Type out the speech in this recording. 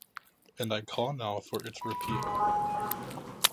And I call now for its repeal.